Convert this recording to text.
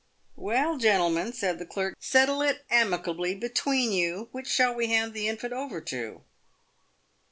" Well, gentlemen," said the clerk, " settle it amicably between you ; which shall we hand the infant over to